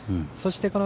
そして、